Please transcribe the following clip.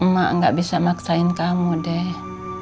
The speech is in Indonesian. mak gak bisa maksain kamu deh